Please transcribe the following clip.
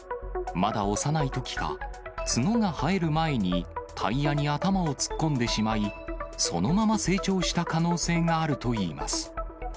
まだ幼いときか、角が生える前にタイヤに頭を突っ込んでしまい、そのまま成長した可能性があるといいます。